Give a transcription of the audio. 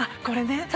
これね。